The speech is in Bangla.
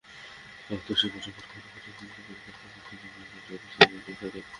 আহত শিক্ষার্থীরা মুঠোফোনে ঘটনাটি নিজেদের পক্ষের কর্মীদের জানালে তাঁরা প্রস্তুতি নিতে থাকেন।